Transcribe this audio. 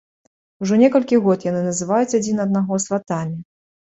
Ужо некалькі год яны называюць адзін аднаго сватамі.